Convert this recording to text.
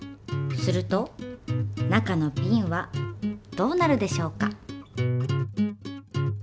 すると中のビンはどうなるでしょうか？